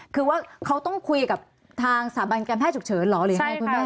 คือว่าเขาต้องคุยกับทางสถาบันการแพทย์ฉุกเฉินเหรอหรือยังไงคุณแม่